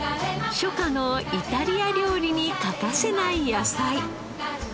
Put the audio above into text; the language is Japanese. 初夏のイタリア料理に欠かせない野菜。